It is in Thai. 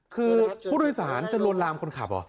คือผู้โดยสารจะลวนลามคนขับเหรอ